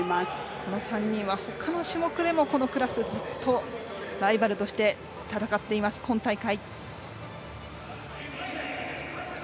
この３人はほかの種目でもこのクラスずっとライバルとして戦っています、今大会。